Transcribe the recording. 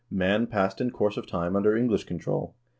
Man passed in course of time under English control.